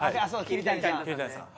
桐谷さん？